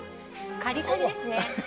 カリカリですね。